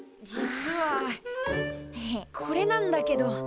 実はこれなんだけど。